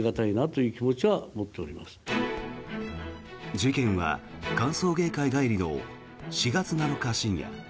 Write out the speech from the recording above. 事件は歓送迎会帰りの４月７日深夜。